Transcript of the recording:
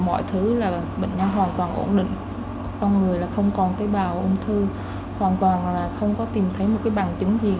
ổn định trong người là không còn tế bào ung thư hoàn toàn là không có tìm thấy một bằng chứng gì